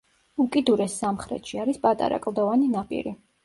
უკიდურეს სამხრეთში არის პატარა კლდოვანი ნაპირი.